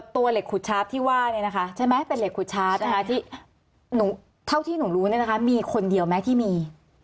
ตัวเหล็กขุดชาร์ฟที่ว่าเนี่ยนะคะใช่ไหมเป็นเหล็กขุดชาร์จนะคะที่เท่าที่หนูรู้เนี่ยนะคะมีคนเดียวไหมที่มี